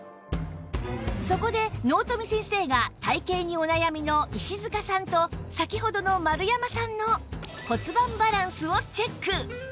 そこで納富先生が体形にお悩みの石塚さんと先ほどの丸山さんの骨盤バランスをチェック